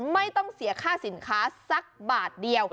ไม่ต้องเสียค่าสินค้าสักบาทเดียว